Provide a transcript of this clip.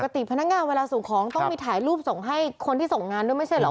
พนักงานเวลาส่งของต้องมีถ่ายรูปส่งให้คนที่ส่งงานด้วยไม่ใช่เหรอ